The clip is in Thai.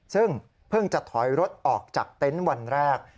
ซึ่งเพิ่งจะถอยรถออกจากเต็นต์วันแรก